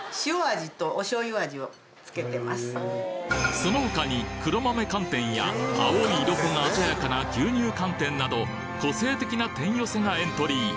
その他に黒豆寒天や青い色粉が鮮やかな牛乳寒天など個性的な天寄せがエントリー！